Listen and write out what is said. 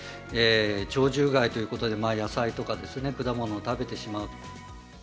鳥獣害ということで野菜とか果物を食べてしまうと。